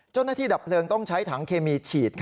เจ้าหน้าที่ดับเพลิงต้องใช้ถังเคมีฉีด